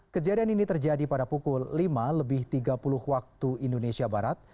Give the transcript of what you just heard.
kejadian ini terjadi pada pukul lima lebih tiga puluh waktu indonesia barat